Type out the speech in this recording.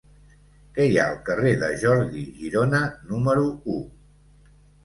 Què hi ha al carrer de Jordi Girona número u?